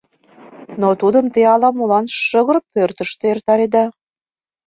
Но тудым те ала-молан шыгыр пӧртыштӧ эртареда...